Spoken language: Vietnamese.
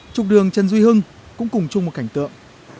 trục đường trần duy hưng cũng cùng chung một cảnh tượng